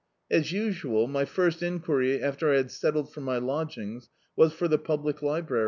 As usual, my first enquiry after I had settled for my lodgings, was for the public library.